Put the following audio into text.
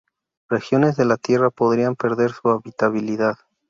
Regiones de la Tierra podrían perder su habitabilidad.